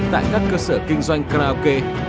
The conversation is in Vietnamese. tại các cơ sở kinh doanh karaoke